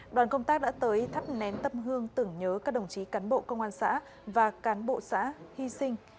đoàn công tác đã tới thắp nén tâm hương tưởng nhớ các đồng chí cán bộ công an xã và cán bộ xã hy sinh